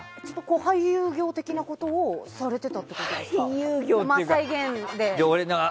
俳優業的なことをされてたってことですか？